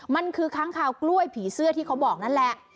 มันคือค้างคาวกล้วยผีเสื้อที่เขาบอกนั่นแหละ